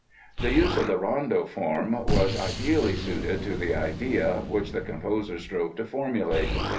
The use of the Rondeau form was ideally suited to the idea which the composer strove to formulate.